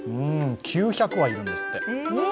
９００羽いるんですって。